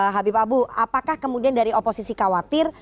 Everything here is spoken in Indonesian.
habib abu apakah kemudian dari oposisi khawatir